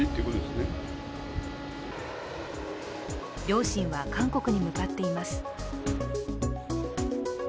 両親は韓国に向かっています。